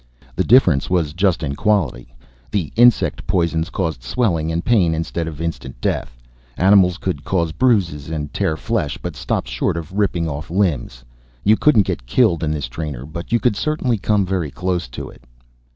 The difference was just in quality. The insect poisons caused swelling and pain instead of instant death. Animals could cause bruises and tear flesh, but stopped short of ripping off limbs. You couldn't get killed in this trainer, but could certainly come very close to it.